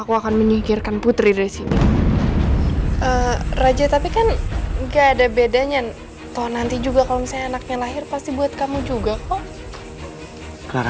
kamu ini gak berubah berubah ya raja ya